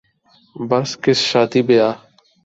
بس کس شادی بیاہ